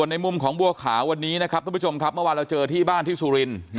ในมุมของบัวขาวทุกคนผู้ชมครับเมื่อเช้าเจอที่บ้านที่ซุหริน